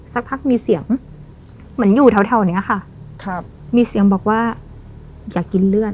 สักพักมีเสียงเหมือนอยู่แถวแถวเนี้ยค่ะครับมีเสียงบอกว่าอยากกินเลือด